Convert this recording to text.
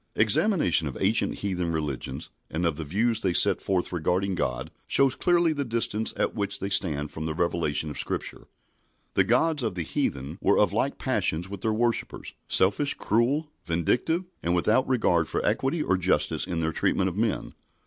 Examination of ancient heathen religions and of the views they set forth regarding God shows clearly the distance at which they stand from the revelation of Scripture. The gods of the heathen were of like passions with their worshippers selfish, cruel, vindictive, and without regard for equity or justice in their treatment of men.